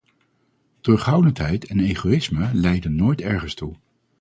Terughoudendheid en egoïsme leiden nooit ergens toe.